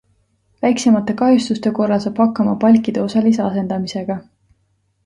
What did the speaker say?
Väiksemate kahjustuste korral saab hakkama palkide osalise asendamisega.